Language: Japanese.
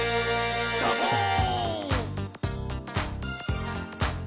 「サボーン！」